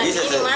iya bisa juga